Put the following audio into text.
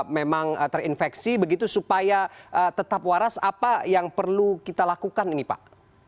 memang terinfeksi begitu supaya tetap waras apa yang perlu kita lakukan ini pak